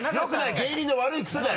芸人の悪いクセだよ。